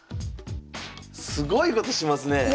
すごいことしますねえ！